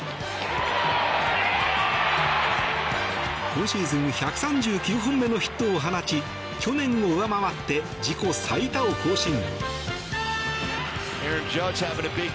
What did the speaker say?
今シーズン１３９本目のヒットを放ち去年を上回って自己最多を更新。